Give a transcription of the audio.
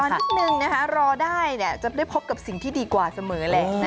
นิดนึงนะคะรอได้จะได้พบกับสิ่งที่ดีกว่าเสมอแหละ